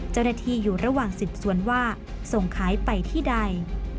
เจ้าหน้าที่อยู่ระหว่างสืบสวนว่าส่งขายไปที่ใด